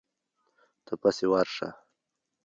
ته پسې ورشه.